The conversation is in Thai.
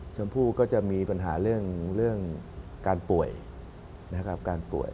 ทั้งผู้ก็จะมีปัญหาเรื่องการป่วย